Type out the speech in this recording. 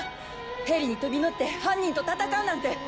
ヘリに飛び乗って犯人と戦うなんて。